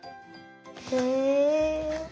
へえ。